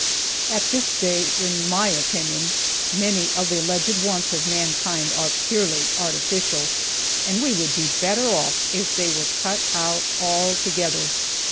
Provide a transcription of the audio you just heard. At this day, in my opinion, many of the alleged wants of mankind are purely artificial, and we would be better off if they were cut out altogether.